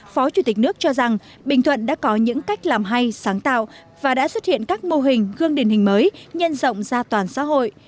phó chủ tịch nước cho rằng bình thuận đã có những cách làm hay sáng tạo và đã xuất hiện các mô hình gương điển hình mới nhân rộng ra toàn xã hội